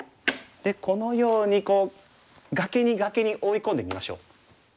でこのように崖に崖に追い込んでみましょう。